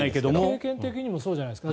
経験的にもそうじゃないですか。